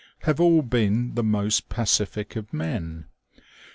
have all been the most pacific of men.